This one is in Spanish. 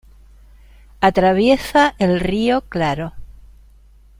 Atraviesa el río Claro.